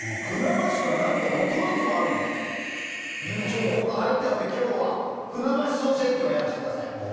船橋はなんと９つもあるんだぞという情報が入ったので今日は船橋総選挙をやらせてください。